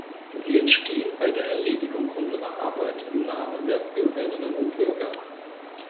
Sie entstehen bei der Erledigung unserer Arbeit im Namen der Bürgerinnen und Bürger.